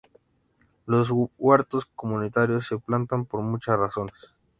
Los huertos comunitarios se plantan por muchas razones.